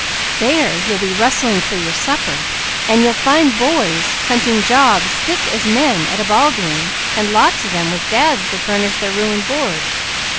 "There, you'll be rustling for your supper, and you'll find boys hunting jobs thick as men at a ball game, and lots of them with dads to furnish their room and board."